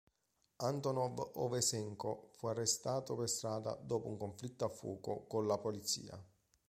Antonov-Ovseenko fu arrestato per strada dopo un conflitto a fuoco con la polizia.